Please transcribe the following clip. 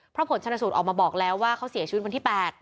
เพราะผลชนสูตรออกมาบอกแล้วว่าเขาเสียชีวิตวันที่๘